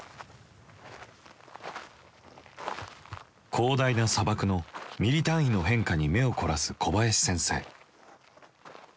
広大な砂漠のミリ単位の変化に目を凝らす小林先生。